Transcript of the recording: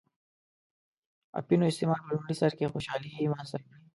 اپینو استعمال په لومړی سر کې خوشحالي منځته راوړي.